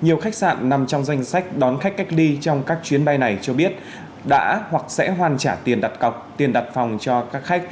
nhiều khách sạn nằm trong danh sách đón khách cách ly trong các chuyến bay này cho biết đã hoặc sẽ hoàn trả tiền đặt phòng cho các khách